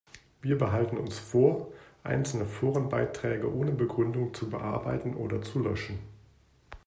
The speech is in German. Wir behalten uns vor, einzelne Forenbeiträge ohne Begründung zu bearbeiten oder zu löschen.